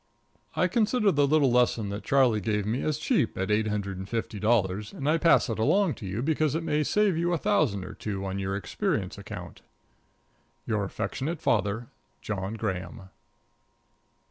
I consider the little lesson that Charlie gave me as cheap at eight hundred and fifty dollars, and I pass it along to you because it may save you a thousand or two on your experience account. Your affectionate father, JOHN GRAHAM.